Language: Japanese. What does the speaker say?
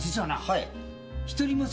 はい。